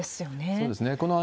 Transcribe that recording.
そうですね。